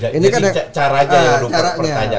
jadi cara aja yang lu pertanyakan